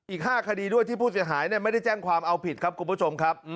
อีก๕คดีด้วยที่ผู้เสียหายไม่ได้แจ้งความเอาผิดครับคุณผู้ชมครับ